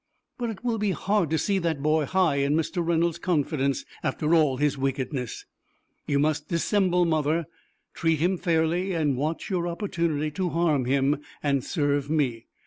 "But it will be hard to see that boy high in Mr. Reynolds' confidence, after all his wickedness." "You must dissemble, mother. Treat him fairly, and watch your opportunity to harm him and serve me.